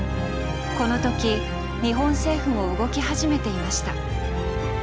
この時日本政府も動き始めていました。